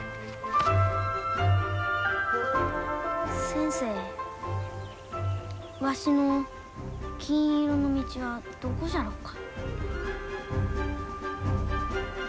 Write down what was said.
先生わしの金色の道はどこじゃろうか？